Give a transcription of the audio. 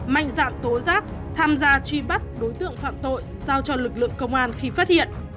mạnh dạng tố giác tham gia truy bắt đối tượng phạm tội sao cho lực lượng công an khi phát hiện